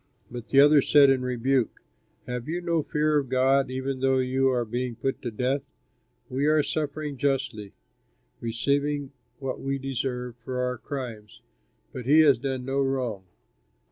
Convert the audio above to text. But the other said in rebuke, "Have you no fear of God even though you are being put to death? We are suffering justly, receiving what we deserve for our crimes, but he has done no wrong."